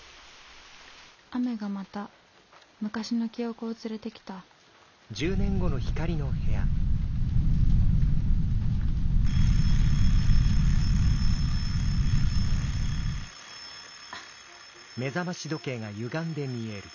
雨がまた昔の記憶を連れてきたあっ。